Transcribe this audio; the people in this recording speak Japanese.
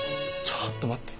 ちょっと待って。